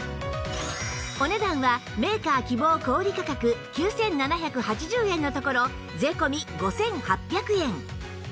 お値段はメーカー希望小売価格９７８０円のところ税込５８００円